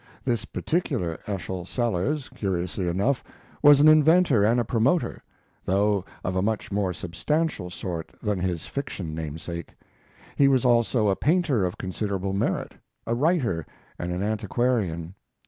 This particular Eschol Sellers, curiously enough, was an inventor and a promoter, though of a much more substantial sort than his fiction namesake. He was also a painter of considerable merit, a writer and an antiquarian.